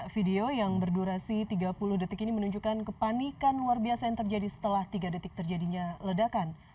video yang berdurasi tiga puluh detik ini menunjukkan kepanikan luar biasa yang terjadi setelah tiga detik terjadinya ledakan